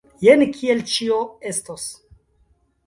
Jen kiel ĉio estos.